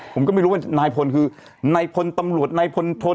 ผมก็ไม่รู้ว่านายพลคือนายพลตำรวจนายพลพล